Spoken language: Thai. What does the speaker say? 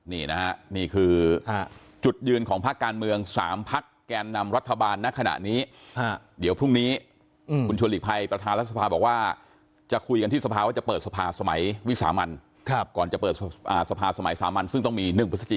นี่คือจุดยืนของภาคการเมืองสามภาคแก้อนำรัฐธรรมนั้นขณะนี้